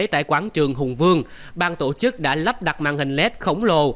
tại quán trường hùng vương ban tổ chức đã lắp đặt màn hình led khổng lồ